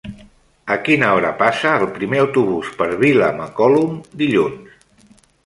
A quina hora passa el primer autobús per Vilamacolum dilluns?